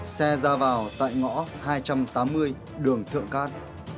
xe ra vào tại ngõ hai trăm tám mươi đường thượng cát